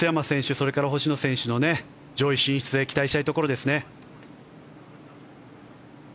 それから星野選手の上位進出へ期待したいところですね。